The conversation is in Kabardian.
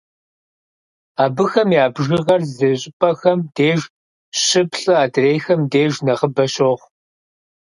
Абыхэм я бжыгъэр зы щӏыпӏэхэм деж щы-плӏы, адрейхэм деж нэхъыбэ щохъу.